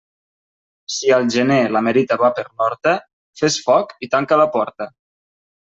Si al gener, la merita va per l'horta, fes foc i tanca la porta.